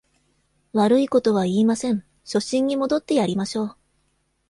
悪いことは言いません、初心に戻ってやりましょう